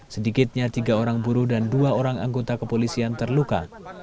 sedikitnya tiga orang buruh dan dua orang anggota kepolisian terluka